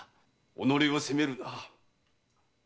己を責めるな。